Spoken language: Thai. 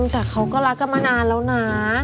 แต่เขาก็รักกันมานานแล้วนะ